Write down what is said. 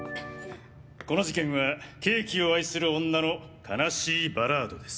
この事件はケーキを愛する女の哀しいバラードです